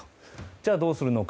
じゃあ、どうするのか。